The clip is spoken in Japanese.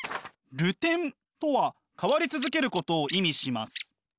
「流転」とは変わり続けることを意味します。